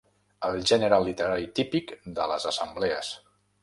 El gènere literari típic de les assemblees.